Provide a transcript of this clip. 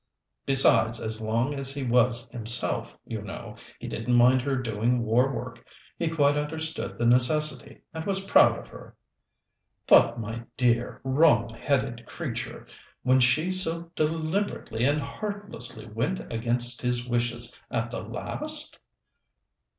Besides, as long as he was himself, you know, he didn't mind her doing war work. He quite understood the necessity, and was proud of her." "But, my dear, wrong headed creature, when she so deliberately and heartlessly went against his wishes at the last?"